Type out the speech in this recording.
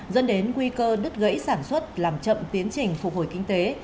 dẫn đến nguy cơ đứt gãy sản xuất làm chậm tiến trình phục hồi kinh tế